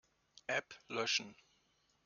App löschen.